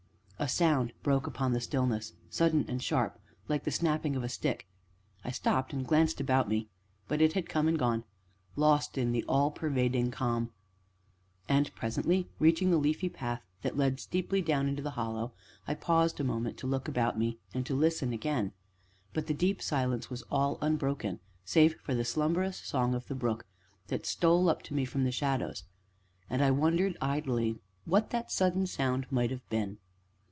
A sound broke upon the stillness sudden and sharp like the snapping of a stick. I stopped and glanced about me but it had come and gone lost in the all pervading calm. And presently, reaching the leafy path that led steeply down into the Hollow, I paused a moment to look about me and to listen again; but the deep silence was all unbroken, save for the slumberous song of the brook, that stole up to me from the shadows, and I wondered idly what that sudden sound might have been.